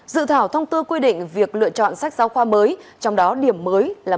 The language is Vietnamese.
dự thảo thông tư quy định việc lựa chọn sách giáo khoa mới trong đó điểm mới là